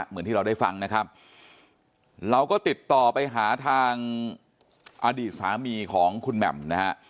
เหมือนที่เราได้ฟังนะครับเราก็ติดต่อไปหาทางอดีตสามีของคุณแหม่มนะฮะ